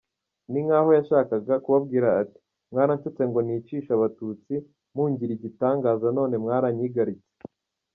Ni nk’aho yashakaga kubabwira ati mwaranshutse ngo nicishe abatutsi mungira igitangaza none mwaranyigaritse.